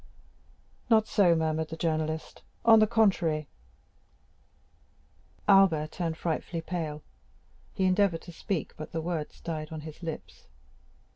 "Not so," murmured the journalist; "on the contrary——" Albert turned frightfully pale; he endeavored to speak, but the words died on his lips.